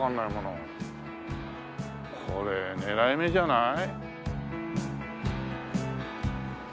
これ狙い目じゃない？